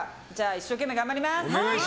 一生懸命頑張ります。